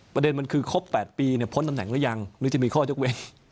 ประเด็นมันคือครบ๘ปีพ้นตำแหน่งหรือยังหรือจะมีข้อยกเว้น